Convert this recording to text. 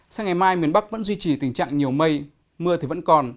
sáng ngày mai miền bắc vẫn duy trì tình trạng nhiều mây mưa thì vẫn còn